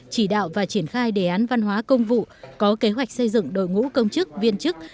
chỉ đạo và triển khai đề án văn hóa công vụ có kế hoạch xây dựng đội ngũ công chức viên chức